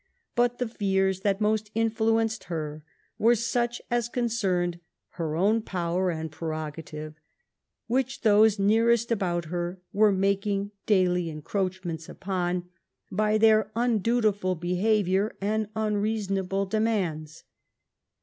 But, the fears that most influenced her, were such as con cerned her own power and prerogative, which those nearest about her were making daily encroachments upon, by their undutiful behaviour and unreasonable demands."